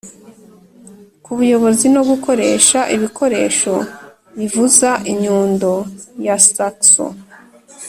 ku buyobozi no gukoresha ibikoresho bivuza inyundo ya saxon,